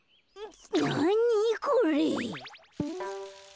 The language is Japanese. なにこれ？